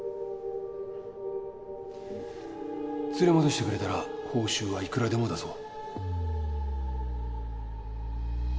連れ戻してくれたら報酬はいくらでも出そう。